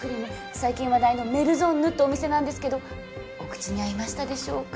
最近話題のメルゾンヌってお店なんですけどお口に合いましたでしょうか？